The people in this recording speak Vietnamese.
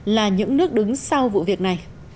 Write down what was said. là những nước đứng sau vụ việc này